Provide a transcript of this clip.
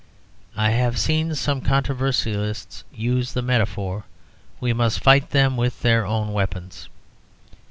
I have even seen some controversialists use the metaphor, "We must fight them with their own weapons."